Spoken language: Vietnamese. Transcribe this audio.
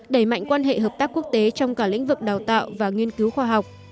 đẩy mạnh quan hệ hợp tác quốc tế trong cả lĩnh vực đào tạo và nghiên cứu khoa học